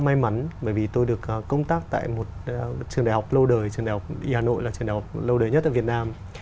may mắn bởi vì tôi được công tác tại một trường đại học lâu đời trường đại học y hà nội là trường đại học lâu đời nhất ở việt nam